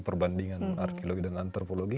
perbandingan arkeologi dan antropologi